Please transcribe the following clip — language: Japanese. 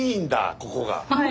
ここが。